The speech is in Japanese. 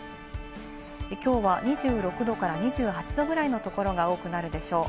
きょうは２６度から２８度ぐらいのところが多くなるでしょう。